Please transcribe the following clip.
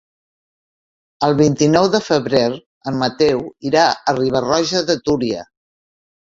El vint-i-nou de febrer en Mateu irà a Riba-roja de Túria.